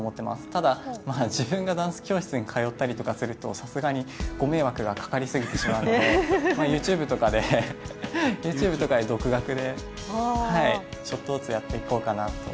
ただ、自分がダンス教室に通ったりするとさすがにご迷惑がかかりすぎてしまうので、ＹｏｕＴｕｂｅとかで独学でちょっとずつやっていこうかなと。